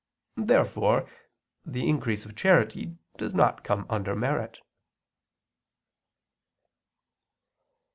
Therefore the increase of charity does not come under merit.